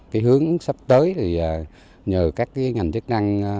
cái hướng sắp tới thì nhờ các cái ngành chức năng